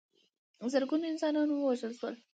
زرګونه انسانان ووژل شول.